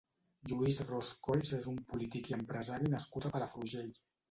Lluís Ros Colls és un polític i empresari nascut a Palafrugell.